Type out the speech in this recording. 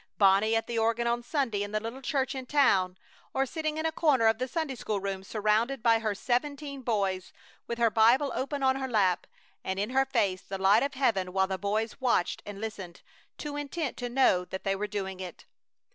Bonnie at the organ on Sunday in the little church in town, or sitting in a corner of the Sunday school room surrounded by her seventeen boys, with her Bible open on her lap and in her face the light of heaven while the boys watched and listened, too intent to know that they were doing it.